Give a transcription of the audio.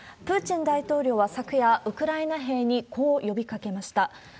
プーチン大統領は昨夜、ウクライナ兵にこう呼びかけました。